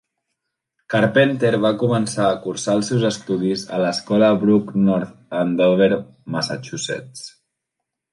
Carpenter va començar a cursar els seus estudis a l'escola Brooks North Andover, Massachusetts.